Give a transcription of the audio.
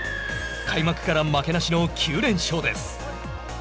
開幕から負けなしの９連勝です。